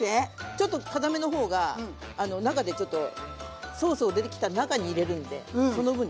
ちょっとかためのほうが中でちょっとソースを出来た中に入れるんでその分ちょっと。